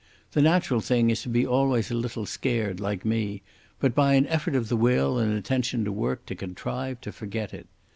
The natural thing is to be always a little scared, like me, but by an effort of the will and attention to work to contrive to forget it.